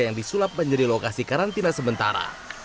yang disulap menjadi lokasi karantina sementara